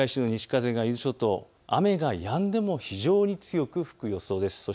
伊豆諸島、雨がやんでも非常に強く吹く予想です。